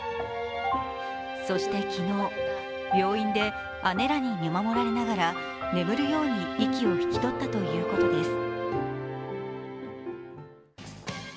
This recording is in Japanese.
そして昨日、病院で姉らに見守られながら眠るように息を引き取ったということです。